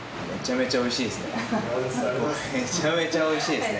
めちゃめちゃ美味しいですね。